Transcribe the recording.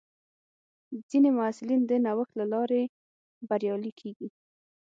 ځینې محصلین د نوښت له لارې بریالي کېږي.